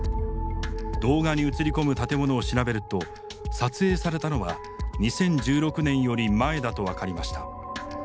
動画に映り込む建物を調べると撮影されたのは２０１６年より前だと分かりました。